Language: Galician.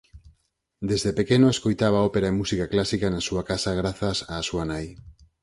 Desde pequeno escoitaba ópera e música clásica na súa casa grazas á súa nai.